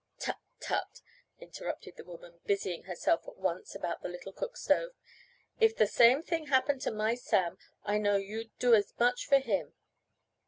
"Tut, tut," interrupted the woman, busying herself at once about the little cook stove. "If the same thing happened to my Sam I know you'd do as much for him.